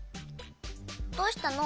どうしたの？